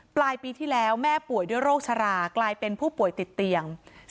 ปลายปีที่แล้วแม่ป่วยด้วยโรคชรากลายเป็นผู้ป่วยติดเตียง